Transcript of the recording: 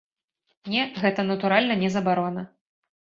Не, гэта, натуральна, не забарона.